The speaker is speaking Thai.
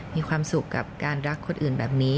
มีความสุขกับการรักคนอื่นแบบนี้